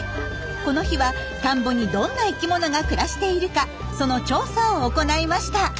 この日は田んぼにどんな生きものが暮らしているかその調査を行いました。